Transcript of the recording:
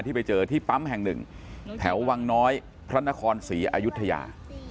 ไปเจอที่ปั๊มแห่งหนึ่งแถววังน้อยพระนครศรีอายุทยา